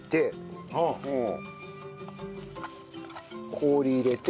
氷入れて。